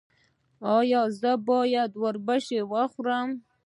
ایا زه باید اوربشې وخورم؟